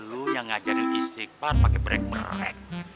lo yang ngajarin istighfar pakai brek brek